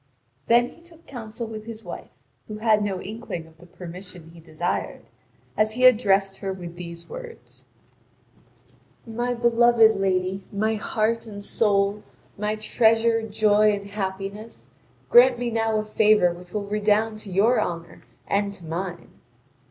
Then he took counsel with his wife, who had no inkling of the permission he desired, as he addressed her with these words: "My beloved lady, my heart and soul, my treasure, joy, and happiness, grant me now a favour which will redound to your honour and to mine."